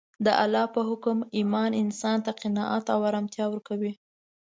د الله په حکم ایمان انسان ته قناعت او ارامتیا ورکوي